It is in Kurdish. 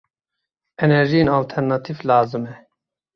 Enerjiyên alternatîv lazim e.